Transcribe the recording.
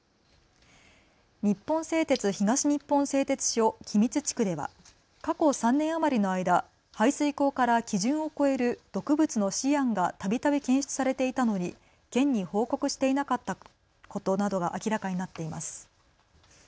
日本製鉄東日本製鉄所君津地区では過去３年余りの間、排水口から基準を超える毒物のシアンがたびたび検出されていたのに県に報告していなかったことなどが明らかになっています。